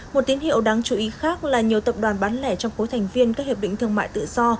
một tín hiệu đáng chú ý khác là nhiều tập đoàn bán lẻ trong khối thành viên các hiệp định thương mại tự do